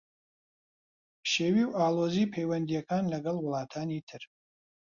پشێوی و ئاڵۆزیی پەیوەندییەکان لەگەڵ وڵاتانی تر